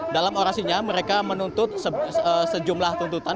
dalam orasinya mereka menuntut sejumlah tuntutan